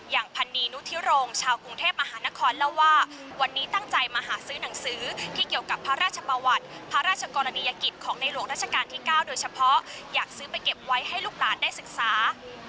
อย่างพันนีนุทิโรงชาวกรุงเทพมหานครเล่าว่าวันนี้ตั้งใจมาหาซื้อหนังสือที่เกี่ยวกับพระราชประวัติพระราชกรณียกิจของในหลวงราชการที่๙โดยเฉพาะอยากซื้อไปเก็บไว้ให้ลูกหลานได้ศึกษา